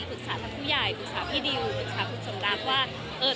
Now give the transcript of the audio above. ปรึกษาทางผู้ใหญ่ปรึกษาพี่ดิวปรึกษาคุณสมรักว่าเออ